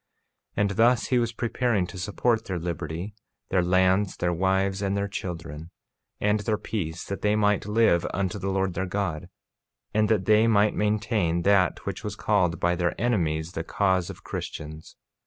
48:10 And thus he was preparing to support their liberty, their lands, their wives, and their children, and their peace, and that they might live unto the Lord their God, and that they might maintain that which was called by their enemies the cause of Christians.